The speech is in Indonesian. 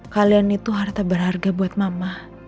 kalian itu harta berharga buat mama